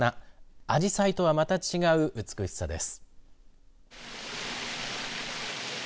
あじさいとはまた違う美しさです。